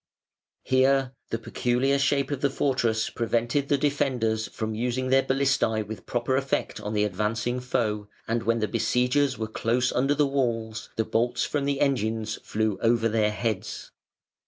Here the peculiar shape of the fortress prevented the defenders from using their Balistæ with proper effect on the advancing foe, and when the besiegers were close under the walls the bolts from the engines flew over their heads.